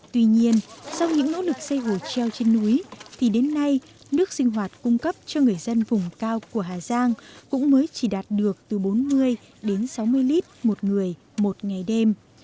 tuy nhiên sau những nỗ lực xây hồ treo trên núi thì đến nay nước sinh hoạt cung cấp cho người dân vùng cao của hà giang cũng mới chỉ đạt được từ bốn mươi đến sáu mươi lít một người một ngày đêm